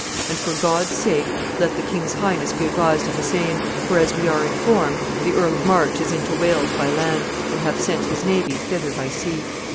"And, for God's sake, let the king's highness be advised of the same; for, as we are informed, the Earl of March is into Wales by land, and hath sent his navy thither by sea.